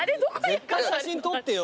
絶対写真撮ってよ